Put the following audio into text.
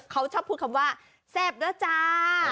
เขาชอบพูดคำว่าแซ่บแล้วจ้า